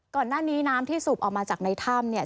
ก่อนหน้านี้น้ำที่สูบออกมาจากในถ้ำเนี่ย